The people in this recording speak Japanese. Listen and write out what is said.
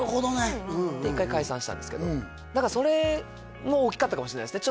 うんうんうんで一回解散したんですけどだからそれも大きかったかもしれないですね